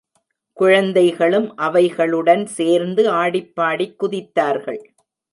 குழந்தைகளும் அவைகளுடன் சேர்ந்து ஆடிப்பாடிக் குதித்தார்கள்.